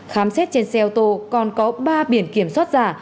khám xét trên xe ô tô còn có ba biển kiểm soát giả